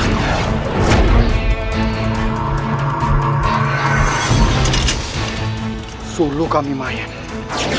alhamdulillah saya akan mengambil ular saya